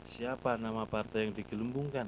siapa nama partai yang digelembungkan